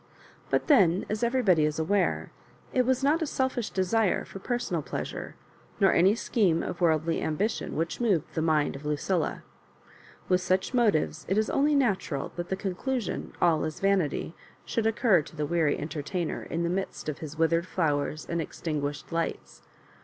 But then as everybody is aware, it was not a selfish desire for personal pleasure, nor any scheme of worldly ambition, which moved the mind of Lucilla. With such motives it is only natural that the conclusion, " All is vanity," should occur to the weary en tertainer in the midst of his withered flowers and extinguished lights.